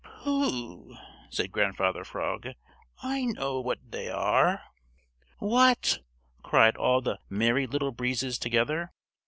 "Pooh," said Grandfather Frog. "I know what they are." "What?" cried all the Merry Little Breezes together.